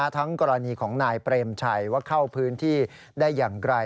ทั้งกรณีของนายเปรมชัยว่าเข้าพื้นที่ได้อย่างไร